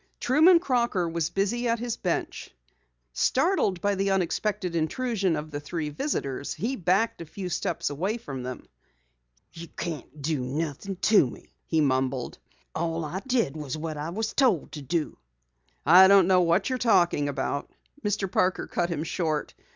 Truman Crocker was busy at his bench. Startled by the unexpected intrusion of the three visitors, he backed a few steps away from them. "You can't do nothin' to me," he mumbled. "All I did was what I was told to do." "I don't know what you're talking about," Mr. Parker cut him short.